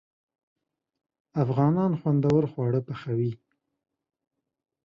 افغانان خوندور خواړه پخوي.